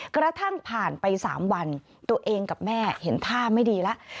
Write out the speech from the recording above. กระทั่งผ่านไป๓วันตัวเองกับแม่เห็นท่าไม่ดีแล้ว